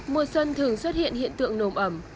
mùa xuân thường xuất hiện hiện tượng nồm ẩm